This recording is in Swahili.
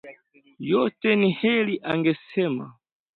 Yote ni kheri, angesema